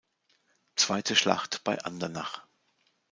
Zweite Schlacht bei Andernach